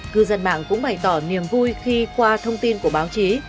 cư dân mạng cũng bày tỏ niềm vui khi qua thông tin của báo chí